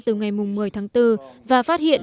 từ ngày một mươi tháng bốn và phát hiện